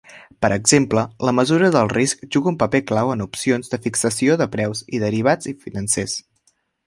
Per exemple, la mesura del risc juga un paper clau en opcions de fixació de preus i derivats financers.